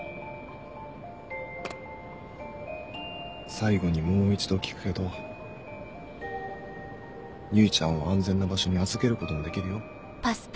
最後にもう一度聞くけど唯ちゃんを安全な場所に預けることもできるよ？